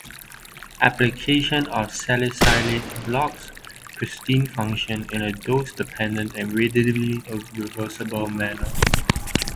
Application of salicylate blocks prestin function in a dose-dependent and readily reversible manner.